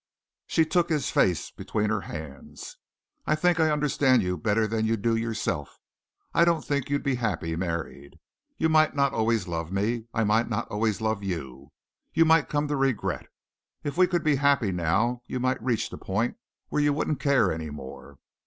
She took his face between her hands. "I think I understand you better than you do yourself. I don't think you'd be happy married. You might not always love me. I might not always love you. You might come to regret. If we could be happy now you might reach the point where you wouldn't care any more.